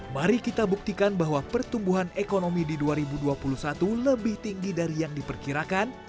mari kita buktikan bahwa pertumbuhan ekonomi di dua ribu dua puluh satu lebih tinggi dari yang diperkirakan